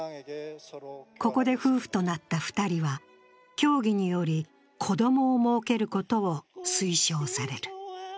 ここで夫婦となった２人は、教義により子供をもうけることを推奨される。